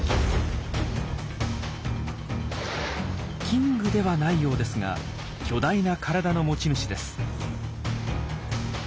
キングではないようですが巨大な体の持ち主です。